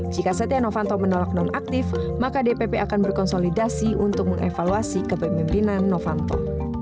jika setia novanto menolak nonaktif maka dpp akan berkonsolidasi untuk mengevaluasi kepemimpinan novanto